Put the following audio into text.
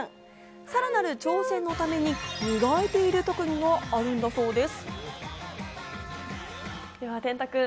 さらなる挑戦のために磨いている特技があるんだそうです。